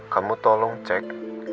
kamu tolong cek